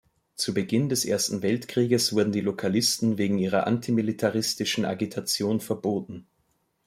Zu Beginn des Ersten Weltkrieges wurden die Lokalisten wegen ihrer antimilitaristischen Agitation verboten.